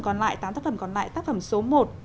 còn lại tám tác phẩm còn lại tác phẩm số một